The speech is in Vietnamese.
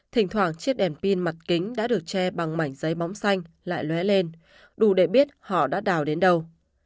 thỉnh thoảng chiếc đèn pin mặt kính đã được che bằng mảnh giấy bóng xanh lại lé lên đủ để biết họ đã đào đến đâu